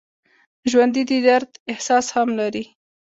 ژوندي د درد احساس هم لري